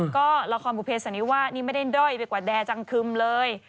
ก็ละครบุเภสันนิวานี่ไม่ได้ด้อยไปกว่าแดร์จังคึมเลย